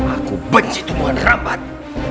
aku benci tumbuhan rambat